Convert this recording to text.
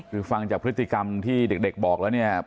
คือฟังจากพฤติกรรมที่เด็กบอกแล้วเนี่ย